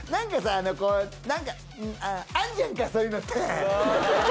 あのこうなんかあるじゃんかそういうのって！